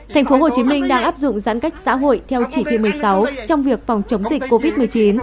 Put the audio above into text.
tp hcm đang áp dụng giãn cách xã hội theo chỉ thị một mươi sáu trong việc phòng chống dịch covid một mươi chín